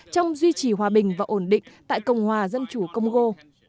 trong duy trì hòa bình và ổn định tại cộng hòa dân chủ công gô